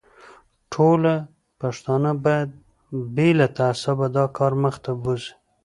ټوله پښتانه باید بې له تعصبه دا کار مخ ته بوزي.